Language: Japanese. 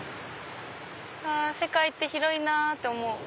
あ世界って広いなって思う。